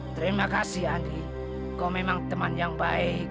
terima kasih andi kau memang teman yang baik